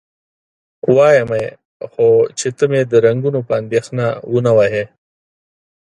وایمه یې، خو چې ته مې د رنګونو په اندېښنه و نه وهې؟